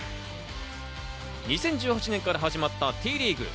２０１８年から始まったＴリーグ。